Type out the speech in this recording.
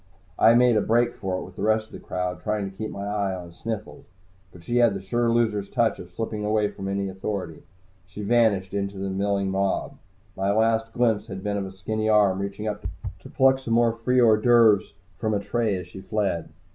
I made a break for it with the rest of the crowd, trying to keep my eye on Sniffles. But she had the sure loser's touch of slipping away from any authority. She vanished into the milling mob. My last glimpse had been of a skinny arm reaching up to pluck some more free hors d'oeuvres from a tray as she fled.